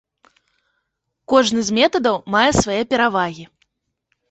Кожны з метадаў мае свае перавагі.